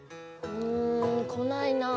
うん来ないなぁ。